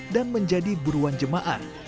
dan menjadi buruan jemaah